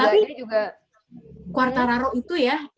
tapi quartararo itu ya